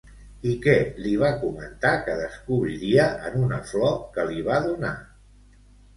I què li va comentar que descobriria en una flor que li va donar?